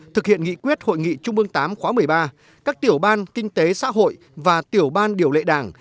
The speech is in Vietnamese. vị trung ương tám khóa một mươi ba các tiểu ban kinh tế xã hội và tiểu ban điều lệ đảng